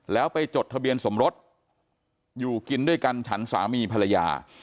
แล้วไปจดทะเบียนสมรสอยู่กินด้วยกันฉันสามีภรรยา